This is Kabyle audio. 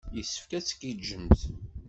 Yessefk ad tgiǧǧemt.